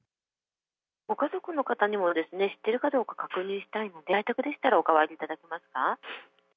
ご家族の方にもですね、知っているかどうか確認したいので、在宅でしたら、お代わりいただけますか。